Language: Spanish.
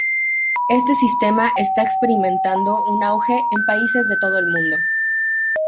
Este sistema está experimentando un auge en países de todo el mundo.